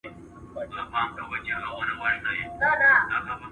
سعید ته د پلار نصیحت ډېر ګټور ښکاره شو.